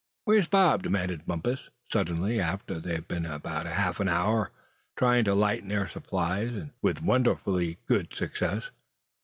"Where's Bob?" demanded Bumpus, suddenly, after they had been about half an hour trying to lighten their supplies, and with wonderfully good success.